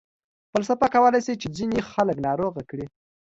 فلسفه کولای شي چې ځینې خلک ناروغه کړي.